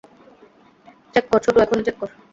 Check কর, ছোটু, এখনি চেক কর।